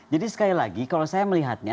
sekali lagi kalau saya melihatnya